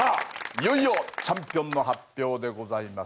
いよいよチャンピオンの発表でございます。